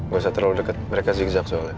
gak usah terlalu dekat mereka zigzag soalnya